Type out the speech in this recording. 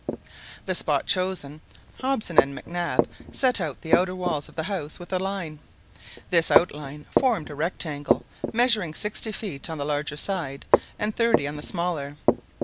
The spot chosen, Hobson and Mac Nab set out the outer walls of the house with the line. This outline formed a rectangle measuring sixty feet on the larger side, and thirty on the smaller.